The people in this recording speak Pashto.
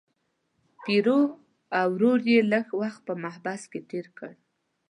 پیرو او ورور یې لږ وخت په محبس کې تیر کړ.